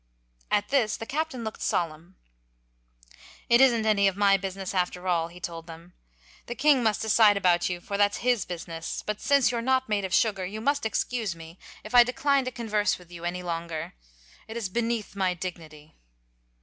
At this the Captain looked solemn. "It isn't any of my business, after all," he told them. "The king must decide about you, for that's his business. But since you are not made of sugar you must excuse me if I decline to converse with you any longer. It is beneath my dignity."